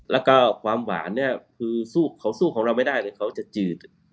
แล้วก็ความหวานเนี่ยคือเขาสู้ของเราไม่ได้เลยเขาจะจืด